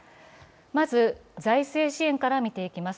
まず、財政支援から見ていきます。